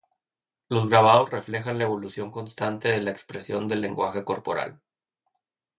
Los grabados reflejan la evolución constante de la expresión del lenguaje corporal.